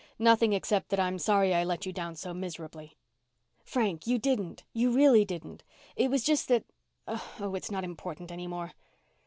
Nothing except that I'm sorry I let you down so miserably." "Frank! You didn't. You really didn't. It was just that oh, it's not important any more."